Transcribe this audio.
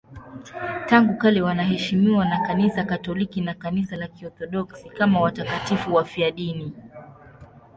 Tangu kale wanaheshimiwa na Kanisa Katoliki na Kanisa la Kiorthodoksi kama watakatifu wafiadini.